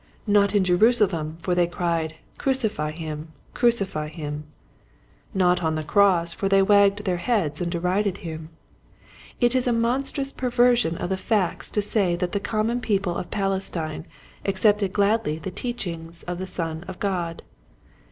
Not in Jerusa 82 Quiet Hints to Growing Preachers. lem for they cried, Crucify him ! Cru< cify him !" Not on the cross for they wagged their heads and derided him. It is a monstrous perversion of the facts to say that the common people of Palestine accepted gladly the teaching of the Son of God.